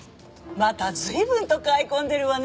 また随分と買い込んでるわね。